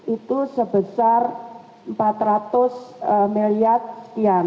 itu sebesar rp empat ratus sekian